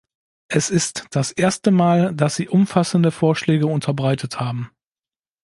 Es ist das erste Mal, dass sie umfassende Vorschläge unterbreitet haben.